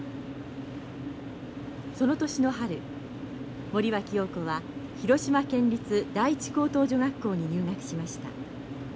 その年の春森脇瑤子は広島県立第一高等女学校に入学しました。